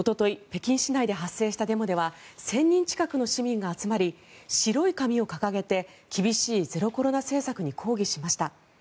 北京市内で発生したデモでは１０００人近くの市民が集まり白い紙を掲げて厳しいゼロコロナ政策に抗議しました。